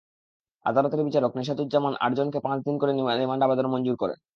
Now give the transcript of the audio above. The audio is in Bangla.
আদালতের বিচারক নিশাদুজ্জামান আটজনকে পাঁচ দিন করে রিমান্ড আবেদন মঞ্জুর করেন।